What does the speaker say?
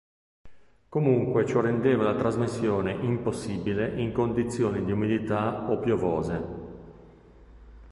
Comunque ciò rendeva la trasmissione impossibile in condizioni di umidità o piovose.